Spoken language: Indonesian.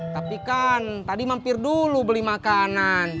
tapi kan tadi mampir dulu beli makanan